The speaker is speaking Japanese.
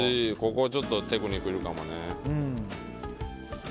ここ、ちょっとテクニックいるかもね。